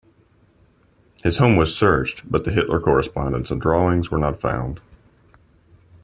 His home was searched, but the Hitler correspondence and drawings were not found.